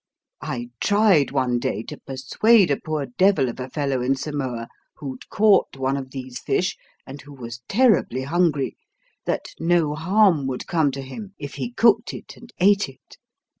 I tried one day to persuade a poor devil of a fellow in Samoa who'd caught one of these fish, and who was terribly hungry, that no harm would come to him if he cooked it and ate it.